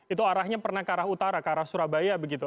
itu arahnya pernah ke arah utara ke arah surabaya begitu